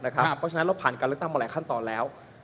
เพราะฉะนั้นเราผ่านการเลือกตั้งมาหลายขั้นตอนแล้ว